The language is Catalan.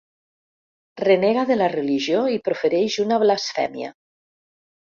Renega de la religió i profereix una blasfèmia.